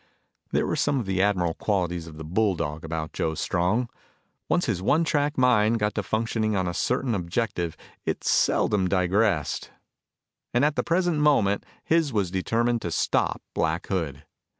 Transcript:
There were some of the admirable qualities of the bull dog about Joe Strong. Once his one track mind got to functioning on a certain objective it seldom digressed. And at the present moment his was determined to stop Black Hood.